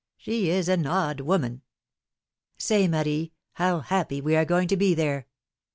She is an odd woman I Say, Marie, how happy we are going to be there